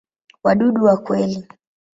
Wadudu wa kweli.